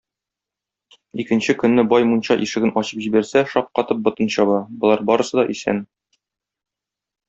Икенче көнне бай мунча ишеген ачып җибәрсә, шаккатып ботын чаба: болар барысы да исән!